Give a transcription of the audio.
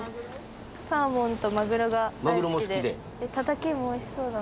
サーモンとマグロが大好きで。